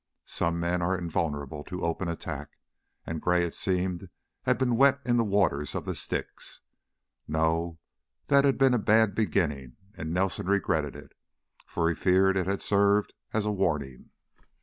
Some men are invulnerable to open attack, and Gray, it seemed, had been wet in the waters of the Styx. No, that had been a bad beginning and Nelson regretted it, for he feared it had served as a warning.